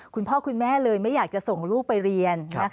คุณพ่อคุณแม่เลยไม่อยากจะส่งลูกไปเรียน